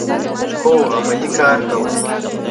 هو، عملی کار کوو